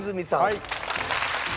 はい。